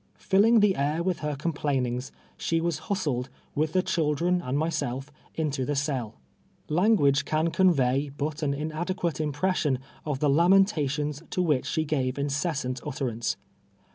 Filling the air with hercom ])lainings, she was hustled, with the chihiren and mj se't', into the cell. Language can couN ey but an inad C'iuate impression of the lamentations to which she ga\"e incessant utterance.